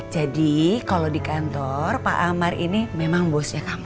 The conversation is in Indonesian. jadi kalau di kantor pak amar ini memang bosnya kamu